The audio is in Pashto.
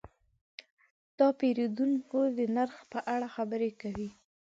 دا پیرودونکی د نرخ په اړه خبرې وکړې.